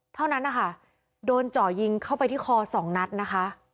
เท่านั้นนะคะโดนเจาะยิงเข้าไปที่คอสองนัดนะคะ